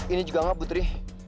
ini juga enggak butri